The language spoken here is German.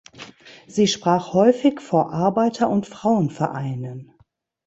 Sie sprach häufig vor Arbeiter- und Frauenvereinen.